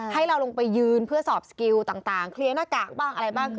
ให้เราลงไปยืนเพื่อสอบสกิลต่างเคลียร์หน้ากากบ้างอะไรบ้าง